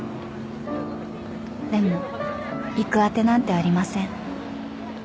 ［でも行く当てなんてありません］